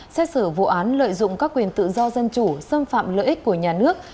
xét xử vụ án lợi dụng các quyền tự do dân chủ xâm phạm lợi ích của nhà nước